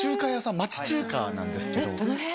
町中華なんですけどえっ